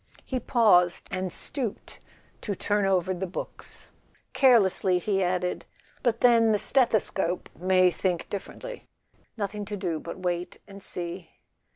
He paused, and stooped to turn over the books. Care¬ lessly, he added: "But then the stethoscope may think differently. Nothing to do but wait and see."